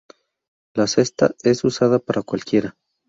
La "cesta" es usada para cualquiera.